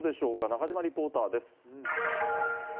中島リポーターです。